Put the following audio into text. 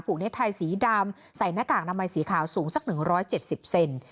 ปลูกเน็ตไทยสีดำใส่หน้ากากน้ำไมสีขาวสูงสักหนึ่งร้อยเจ็ดสิบเซน